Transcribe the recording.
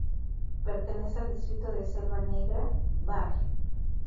Pertenece al distrito de Selva Negra-Baar.